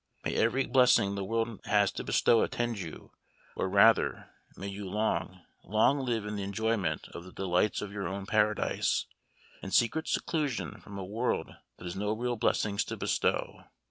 May every blessing the world has to bestow attend you, or rather, may you long, long live in the enjoyment of the delights of your own paradise, in secret seclusion from a world that has no real blessings to bestow.